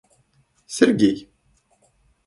Сергей